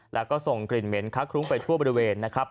แล้วก็ส่งกลิ่นเหม็นคักคลุ้งไปทั่วบริเวณนะครับ